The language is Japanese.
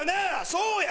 そうや！